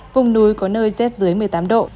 vùng núi có nơi rét dưới một mươi tám độ